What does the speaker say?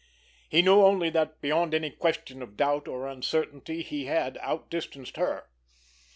He knew only that, beyond any question of doubt or uncertainty, he had outdistanced her.